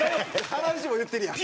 原西も言ってるやん。